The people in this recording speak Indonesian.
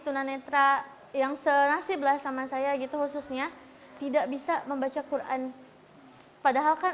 tunanetra yang serasi belah sama saya gitu khususnya tidak bisa membaca quran padahalkan